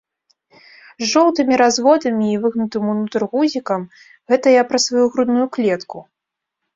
З жоўтымі разводамі і выгнутым унутр гузікам, гэта я пра сваю грудную клетку.